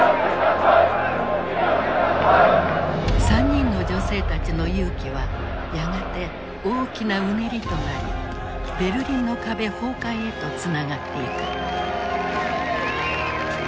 ３人の女性たちの勇気はやがて大きなうねりとなりベルリンの壁崩壊へとつながっていく。